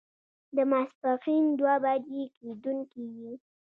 د ماسپښين دوه بجې کېدونکې وې.